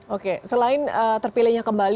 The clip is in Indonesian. oke selain terpilihnya kembali